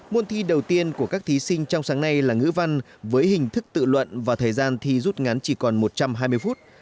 môn thi đầu tiên của các thí sinh trong sáng nay là ngữ văn với hình thức tự luận và thời gian thi rút ngắn chỉ còn một trăm hai mươi phút